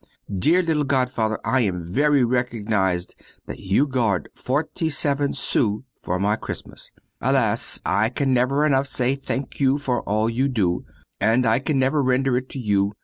Dear little godfather, I am very recognizing that you guard 47 sous for my Christmas. Alas, I can never enough say thank you for all you do, and I can never render it to you!